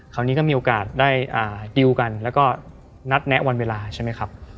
คราวนี้ก็มีโอกาสได้ดิวกันแล้วก็นัดแนะวันเวลาใช่ไหมครับ